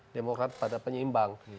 demokrat pada penyeimbang